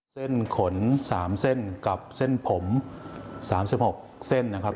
เส้นขน๓เส้นกับเส้นผม๓๖เส้นนะครับ